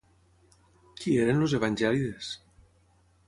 Qui eren els Evangèlides?